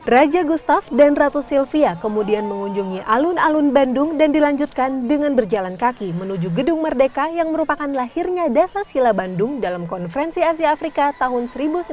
raja gustaf dan ratu sylvia kemudian mengunjungi alun alun bandung dan dilanjutkan dengan berjalan kaki menuju gedung merdeka yang merupakan lahirnya dasar sila bandung dalam konferensi asia afrika tahun seribu sembilan ratus sembilan puluh